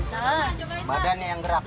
nah badannya yang gerak